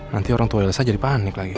nanti orang tua elsa jadi panik lagi